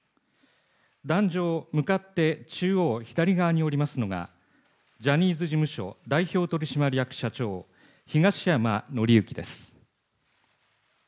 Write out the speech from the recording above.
壇上向かって中央左側におりますのが、ジャニーズ事務所代表取締役社長、東山紀之です。